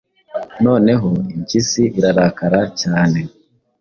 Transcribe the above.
noneho impyisi irakara cyane,